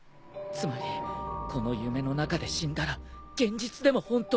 つまりこの夢の中で死んだら現実でも本当に死んでしまう。